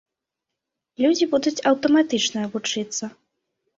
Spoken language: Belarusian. Людзі будуць аўтаматычна вучыцца.